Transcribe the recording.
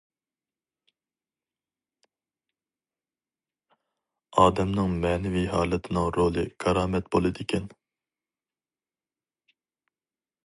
ئادەمنىڭ مەنىۋى ھالىتىنىڭ رولى كارامەت بولىدىكەن.